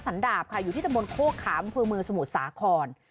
สันดาปค่ะอยู่ที่ทำบนโค้กขามพื้นเมืองสมุทรสาคร